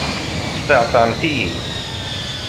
Tesfeεfεemt-iyi!